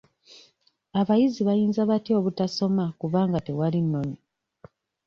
Abayizi bayinza batya obutasoma kubanga tewali nnoni?